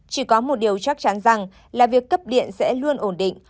chỉ có một điều chắc chắn rằng là việc cấp điện sẽ luôn ổn định